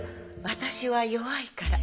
私は弱いから」。